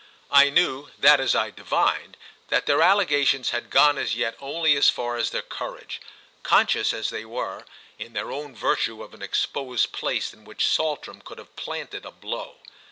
I knew, that is I divined, that their allegations had gone as yet only as far as their courage, conscious as they were in their own virtue of an exposed place in which Saltram could have planted a blow.